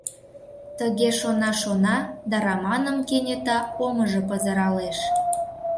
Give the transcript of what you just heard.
Тыге шона-шона, да Раманым кенета омыжо пызыралеш.